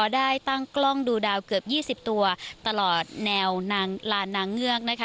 ได้ตั้งกล้องดูดาวเกือบ๒๐ตัวตลอดแนวนางลานนางเงือกนะคะ